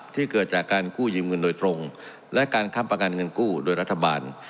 เกิดจากการกู้ยืมเงินโดยตรงและการค้ำประกันเงินกู้โดยรัฐบาล